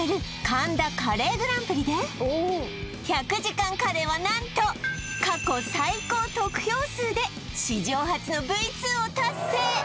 神田カレーグランプリで１００時間カレーは何と過去最高得票数で史上初のＶ２を達成！